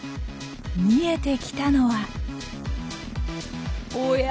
見えてきたのはおや？